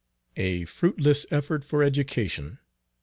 _A fruitless effort for education.